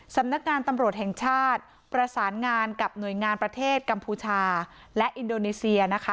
สำนักงานตำรวจแห่งชาติประสานงานกับหน่วยงานประเทศกัมพูชาและอินโดนีเซียนะคะ